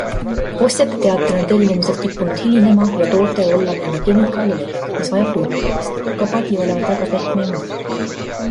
Ostjate teatel on tellimused kippunud hilinema ja tootel olla mingi kemikaali lehk, mis vajab tuulutamist - aga padi olevat väga pehme ja mõnus.